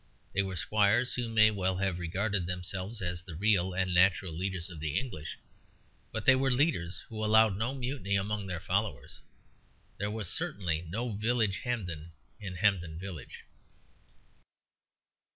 They were squires who may well have regarded themselves as the real and natural leaders of the English; but they were leaders who allowed no mutiny among their followers. There was certainly no Village Hampden in Hampden Village.